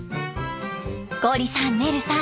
ゴリさんねるさん